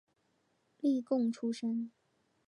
例贡出身。